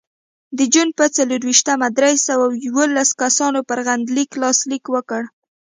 د جون په څلرویشتمه درې سوه یوولس کسانو پر غندنلیک لاسلیک وکړ.